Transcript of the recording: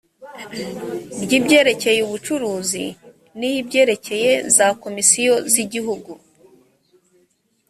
ry ibyerekeye ubucuruzi n iy ibyerekeye za komisiyo z igihugu